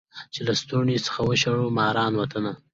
چي له لستوڼي څخه وشړو ماران وطنه